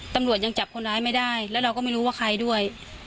ตำรวจยังจับคนร้ายไม่ได้แล้วเราก็ไม่รู้ว่าใครด้วย